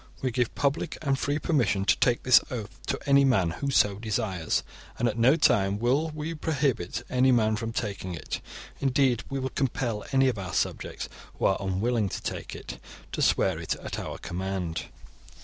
We give public and free permission to take this oath to any man who so desires, and at no time will we prohibit any man from taking it. Indeed, we will compel any of our subjects who are unwilling to take it to swear it at our command.